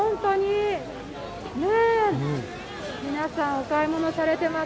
皆さん、お買い物されています。